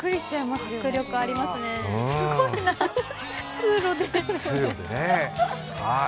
すごいな、通路でね。